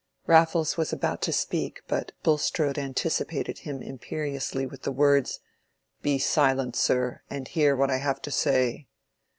Raffles was about to speak, but Bulstrode anticipated him imperiously with the words, "Be silent, sir, and hear what I have to say.